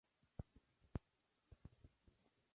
Pero le fue denegada por la "Haute Cour".